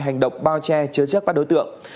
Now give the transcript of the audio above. hành động bao che chứa chất bắt đối tượng